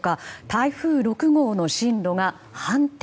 台風６号の進路が反転